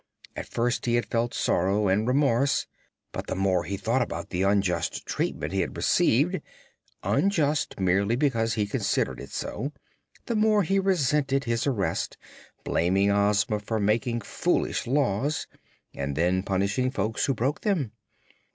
At first he had felt sorrow and remorse, but the more he thought about the unjust treatment he had received unjust merely because he considered it so the more he resented his arrest, blaming Ozma for making foolish laws and then punishing folks who broke them.